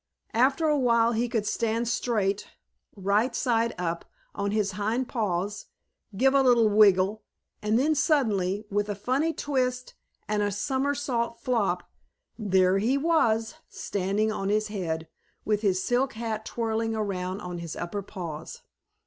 After a while he could stand straight, right side up, on his hind paws, give a little wiggle, and then suddenly, with a funny twist and a somersault flop, there he was, standing on his head, with his silk hat twirling around on his upper paws.